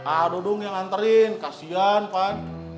a dudung yang nganterin kasihan pan